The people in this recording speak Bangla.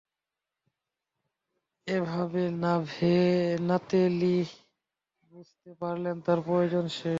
এভাবে নাতেলী বুঝতে পারলেন তার প্রয়োজন শেষ।